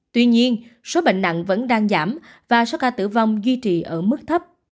tuy nhiên số bệnh nặng vẫn đang giảm và số ca tử vong duy trì ở mức thấp